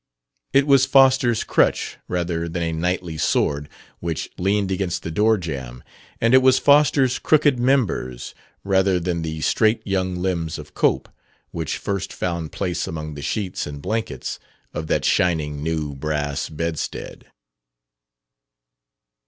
It was Foster's crutch, rather than a knightly sword, which leaned against the door jamb; and it was Foster's crooked members, rather than the straight young limbs of Cope, which first found place among the sheets and blankets of that shining new brass bedstead.